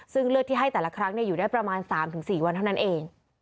ซึ่งเลือดที่ให้แต่ละครั้งอยู่ได้ประมาณ๓๔วันเท่านั้นเอง